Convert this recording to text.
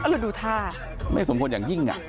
อรุณดูท่าไม่สมควรอย่างยิ่งอ่ะ